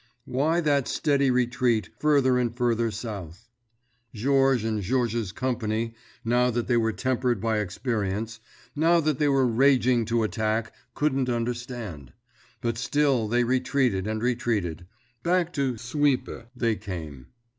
Why that steady retreat, further and further south? Georges and Georges's company, now that they were tempered by experience, now that they were raging to attack, couldn't understand. But still they retreated and retreated. Back to Suippes they came.